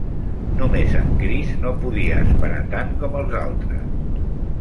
Només en Chris no podia esperar tant com els altres.